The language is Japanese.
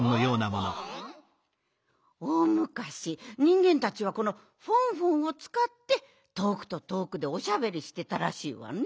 おおむかしにんげんたちはこのフォンフォンをつかってとおくととおくでおしゃべりしてたらしいわね。